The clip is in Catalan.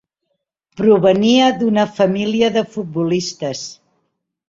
Provenia d'una família de futbolistes.